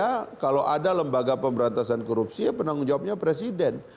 kalau menurut saya kalau ada lembaga pemberantasan korupsi ya penanggung jawabnya presiden